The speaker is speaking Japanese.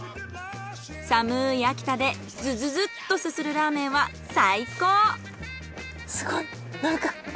寒い秋田でズズズッとすするラーメンは最高。